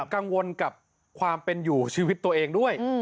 กังวลกับความเป็นอยู่ชีวิตตัวเองด้วย